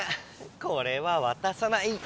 これはわたさない。